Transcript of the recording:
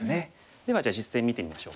ではじゃあ実戦見てみましょうかね。